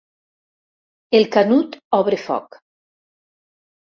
El Canut obre foc.